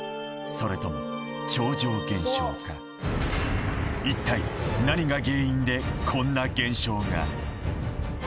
それとも超常現象か一体何が原因でこんな現象が？